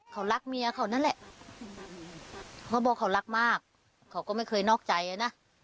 เขารักเมียเขานั่นแหละเขาบอกเขารักมากเขาก็ไม่เคยนอกใจอ่ะนะ